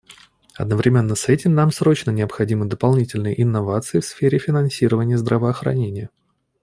Одновременно с этим нам срочно необходимы дополнительные инновации в сфере финансирования здравоохранения.